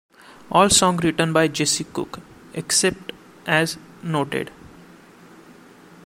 All songs written by Jesse Cook except as noted.